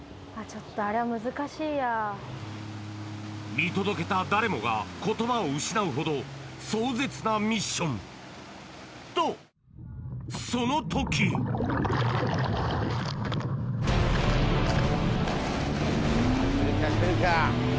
見届けた誰もが言葉を失うほど壮絶なミッションとその時来るか来るか。